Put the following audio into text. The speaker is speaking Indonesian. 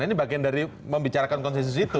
ini bagian dari membicarakan konstitusi itu